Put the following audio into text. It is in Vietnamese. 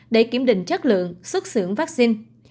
để kiểm định chất lượng xuất xưởng vaccine